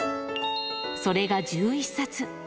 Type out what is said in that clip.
それが１１冊。